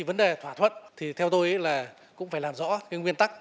vấn đề thỏa thuận thì theo tôi cũng phải làm rõ nguyên tắc